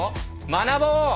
学ぼう！